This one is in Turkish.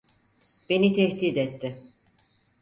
Beni tehdit etti.